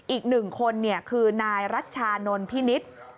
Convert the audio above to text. อีกหนึ่งคนคือนายรัชชานนท์พินิษฐ์